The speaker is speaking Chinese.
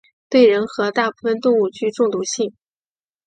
对人和大部分动物具中毒性。